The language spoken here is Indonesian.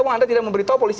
anda tidak memberitahu polisi